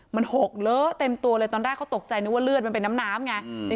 มันหกเลอะเต็มตัวเลยตอนแรกเขาตกใจนึกว่าเลือดมันเป็นน้ำน้ำไง